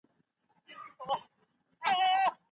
غړي به له ډېرې مودي راهيسې د ټاکنو د روڼتيا غوښتنه کوي.